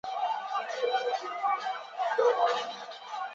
莫贺设是在七世纪早期西突厥汗国属部可萨人的叶护和将军。